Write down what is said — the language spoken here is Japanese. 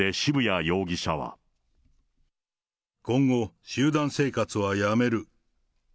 今後、集団生活はやめる。